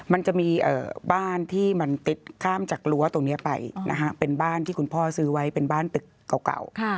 มันจะมีบ้านที่มันติดข้ามจากรั้วตรงนี้ไปนะฮะเป็นบ้านที่คุณพ่อซื้อไว้เป็นบ้านตึกเก่า